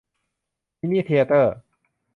มินิเธียเตอร์